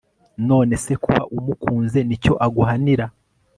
none se kuba umukunze ni cyo aguhanira